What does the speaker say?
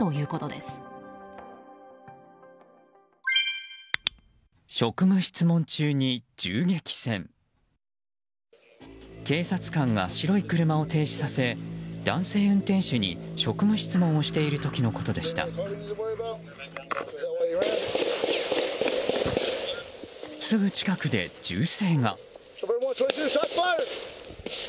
すぐ近くで銃声が。